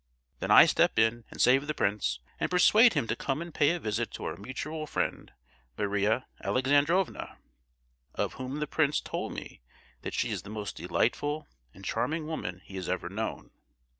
"Then I step in and save the prince, and persuade him to come and pay a visit to our mutual friend, Maria Alexandrovna (of whom the prince told me that she is the most delightful and charming woman he has ever known).